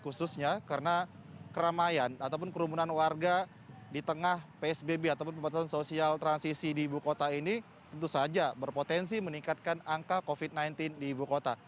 khususnya karena keramaian ataupun kerumunan warga di tengah psbb ataupun pembatasan sosial transisi di ibu kota ini tentu saja berpotensi meningkatkan angka covid sembilan belas di ibu kota